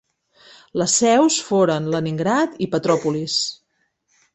Les seus foren Leningrad i Petrópolis.